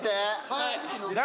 はい！